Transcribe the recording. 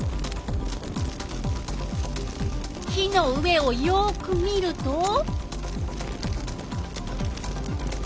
火の上をよく見ると。